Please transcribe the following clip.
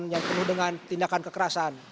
yang penuh dengan tindakan kekerasan